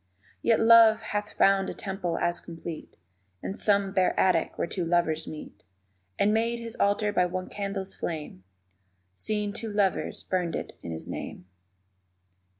Yet Love hath found a temple as complete In some bare attic where two lovers meet; And made his altar by one candle's flame _Seeing two lovers burned it in his name.